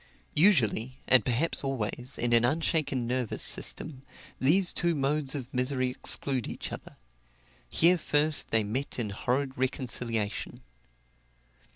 Usually, and perhaps always, in an unshaken nervous system, these two modes of misery exclude each other here first they met in horrid reconciliation.